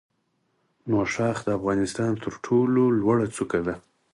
نوشاخ د افغانستان تر ټولو لوړه څوکه ده.